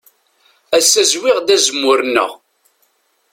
Ass-a zwiɣ-d azemmur-nneɣ.